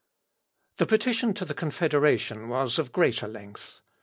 ] The petition to the Confederation was of greater length.